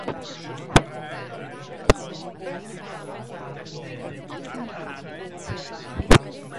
Roedden nhw eisiau gwybod popeth am y bobl frodorol yn India.